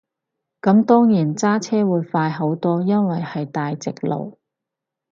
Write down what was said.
咁當然揸車會快好多，因為係大直路